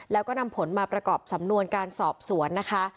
แล้วก็นำผลมาประกอบสำนวนการสอบสวนนะคะ